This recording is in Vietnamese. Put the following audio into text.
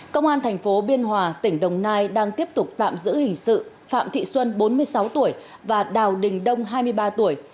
công an thành phố biên hòa tỉnh đồng nai đang tiếp tục tạm giữ hình sự phạm thị xuân bốn mươi sáu tuổi và đào đình đông hai mươi ba tuổi